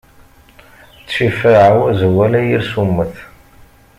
Ttif aɛwaz wala yir summet.